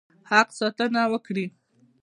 حق ساتنه وکړي.